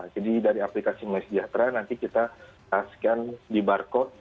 jadi dari aplikasi mysejahtera nanti kita scan di barcode